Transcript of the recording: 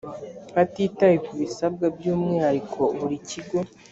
hatitawe ku bisabwa by umwihariko buri kigo